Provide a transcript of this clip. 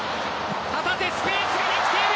旗手、スペースができている。